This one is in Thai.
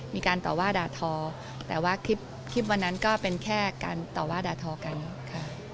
มีการต่อว่าด่าทอแต่ว่าคลิปคลิปวันนั้นก็เป็นแค่การต่อว่าด่าทอกันค่ะ